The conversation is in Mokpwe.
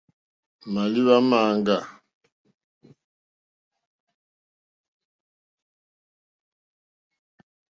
Màlìwá máŋɡâ.